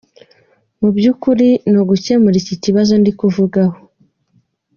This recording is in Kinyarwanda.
Mu by’ukuri ni ugukemura iki kibazo ndi kuvugaho.